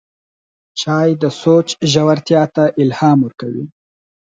چای د سوچ ژورتیا ته الهام ورکوي